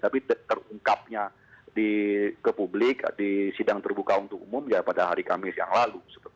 tapi terungkapnya ke publik di sidang terbuka untuk umum ya pada hari kamis yang lalu